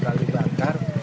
satu kali bakar